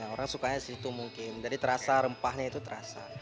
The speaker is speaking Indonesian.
orang sukanya situ mungkin jadi terasa rempahnya itu terasa